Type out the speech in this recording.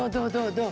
どう？